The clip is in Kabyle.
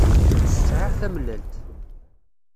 Sεiɣ tamellalt